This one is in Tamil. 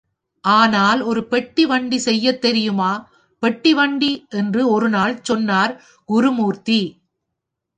ஆனால், ஒரு பெட்டி வண்டி செய்யத் தெரியுமா, பெட்டி வண்டி? என்று ஒருநாள் சொன்னார் குருமூர்த்தி.